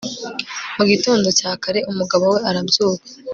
mu gitondo cya kare, umugabo we arabyuka